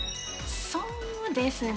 そうですね。